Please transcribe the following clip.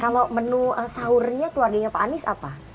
kalau menu sahurnya keluarganya pak anies apa